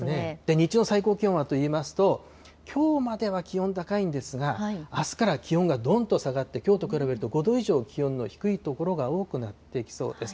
日中の最高気温はといいますと、きょうまでは気温が高いんですが、あすから気温がどんと下がって、きょうと比べると５度以上気温の低い所が多くなってきそうです。